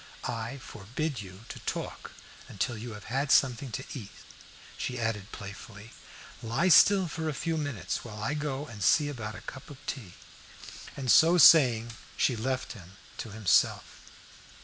I forbid you to talk until you have had something to eat," she added, playfully. "Lie still for a few minutes, while I go and see about a cup of tea." And so saying she left him to himself.